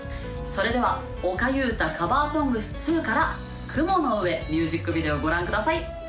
それでは「おかゆウタカバーソングス２」から「雲の上」ミュージックビデオご覧ください